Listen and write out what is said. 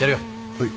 はい。